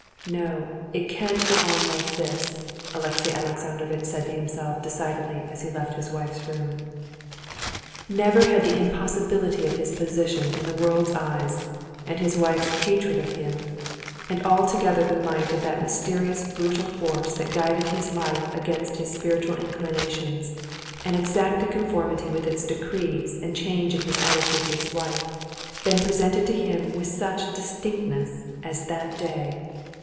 "No, it can't go on like this," Alexey Alexandrovitch said to himself decidedly as he left his wife's room. Never had the impossibility of his position in the world's eyes, and his wife's hatred of him, and altogether the might of that mysterious brutal force that guided his life against his spiritual inclinations, and exacted conformity with its decrees and change in his attitude to his wife, been presented to him with such distinctness as that day.